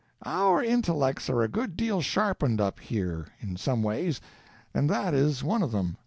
"Our intellects are a good deal sharpened up, here, in some ways, and that is one of them.